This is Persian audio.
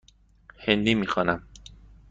هندی می خوانم.